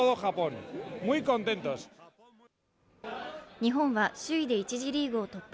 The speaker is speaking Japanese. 日本は首位で１次リーグを突破。